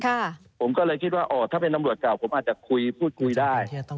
ค่ะผมก็เลยคิดว่าอ๋อถ้าเป็นตำรวจเก่าผมอาจจะคุยพูดคุยได้